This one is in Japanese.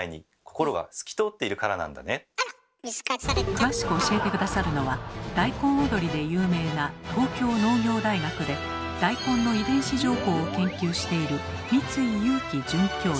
詳しく教えて下さるのは大根踊りで有名な東京農業大学で大根の遺伝子情報を研究している